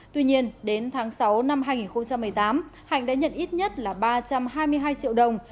tuy nhiên đến tháng sáu năm hai nghìn một mươi tám hạnh đã nhận ít nhất là ba trăm hai mươi hai triệu đồng